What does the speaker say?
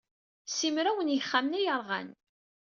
Simraw n yixxamen ay yerɣan.